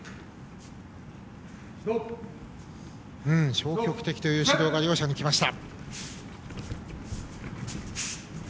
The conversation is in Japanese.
消極的という指導が両者にきました。